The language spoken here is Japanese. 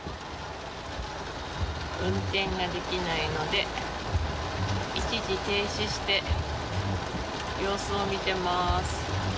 運転ができないので、一時停止して、様子を見てます。